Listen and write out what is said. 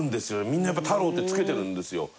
みんなやっぱり「太郎」って付けてるんですよ。